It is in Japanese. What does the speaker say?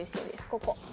ここ。